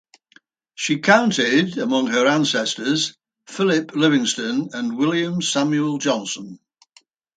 She counted among her ancestors Philip Livingston and William Samuel Johnson.